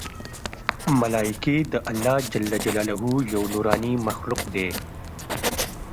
ملایکې د الله ج یو نورانې مخلوق دی